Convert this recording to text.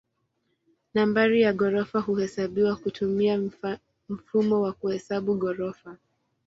Nambari ya ghorofa huhesabiwa kutumia mfumo wa kuhesabu ghorofa.